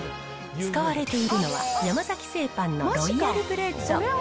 使われているのは、山崎製パンのロイヤルブレッド。